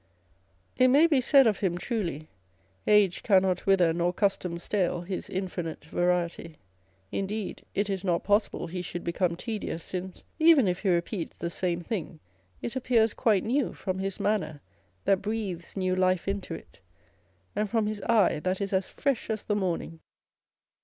It may be said of him truly, Age cannot wither, nor custom stale His infinite variety. Indeed, it is not possible he should become tedious, since, even if he repeats the same thing, it appears quite new from his manner that breathes new life into it, and from his eye that is as fresh fs the morning.